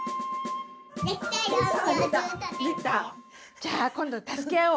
じゃあ今度助け合おう！